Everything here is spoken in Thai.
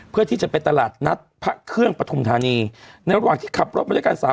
เพื่อที่จะไปตลาดนัดพระเครื่องปฐุมธานีในระหว่างที่ขับรถมาด้วยกันสาม